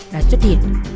là xuất hiện